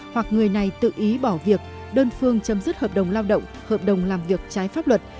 hoặc người này tự ý bỏ việc đơn phương chấm dứt hợp đồng lao động hợp đồng làm việc trái pháp luật